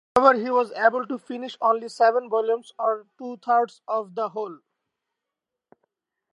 However, he was able to finish only seven volumes, or two-thirds of the whole.